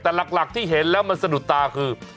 แต่หลักที่เห็นแล้วมันสะดุดตาคือ